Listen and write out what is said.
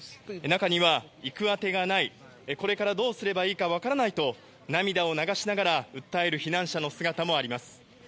中には行く当てがない、これからどうすればいいか分からないと涙を流しながら訴える避難者の姿もあります。